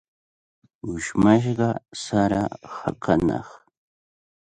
Ushmashqa sara hakanaq.